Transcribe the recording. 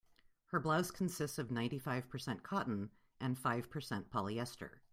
Her blouse consists of ninety-five percent cotton and five percent polyester.